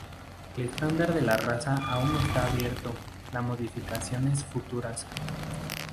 El estándar de la raza aún está abierto la modificaciones futuras.